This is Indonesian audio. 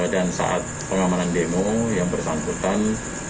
dan saat pengamanan demo yang bersangkutan